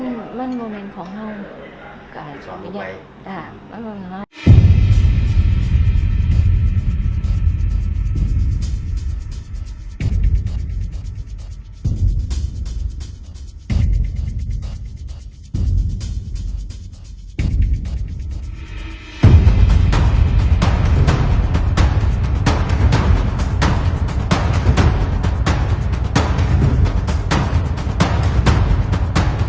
มันมันมันเป็นของเขาการสอนไม่ได้อ่ามันมันเป็นของเขา